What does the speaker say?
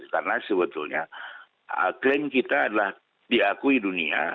karena sebetulnya klaim kita adalah diakui dunia